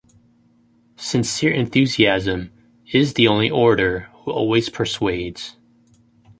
Sincere enthusiasm is the only orator who always persuades.